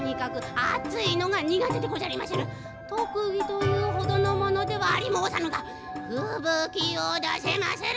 とくぎというほどのものではありもうさぬがふぶきをだせまする。